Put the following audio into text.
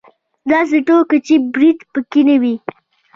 داسې ټوکې چې برید پکې وي.